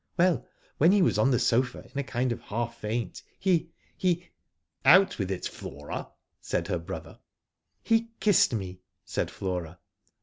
Well, when he was on the sofa in a kind of half faint he — he "" Out with it, Flora," said her brother. "He kissed me," said Flora.